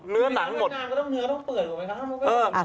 แล้วมันต้องเปิดลงไป